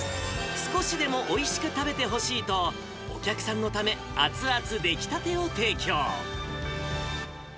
少しでもおいしく食べてほしいと、お客さんのため、熱々出来たてを提供。